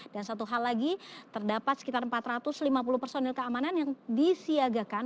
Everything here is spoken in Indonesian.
dan satu hal lagi terdapat sekitar empat ratus lima puluh personil keamanan yang disiagakan